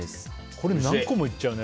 これ何個もいっちゃうね。